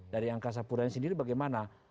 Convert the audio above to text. dari angkasa puranya sendiri bagaimana